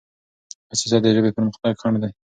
حساسيت د ژبې پرمختګ خنډ دی.